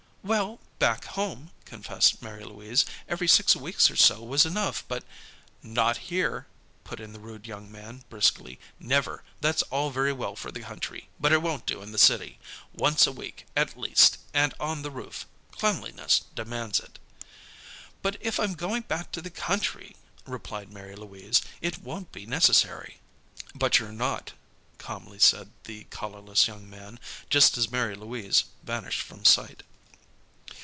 "Well, back home," confessed Mary Louise, "every six weeks or so was enough, but " "Not here," put in the rude young man, briskly. "Never. That's all very well for the country, but it won't do in the city. Once a week, at least, and on the roof. Cleanliness demands it." "But if I'm going back to the country," replied Mary Louise, "it won't be necessary." "But you're not," calmly said the collarless young man, just as Mary Louise vanished from sight.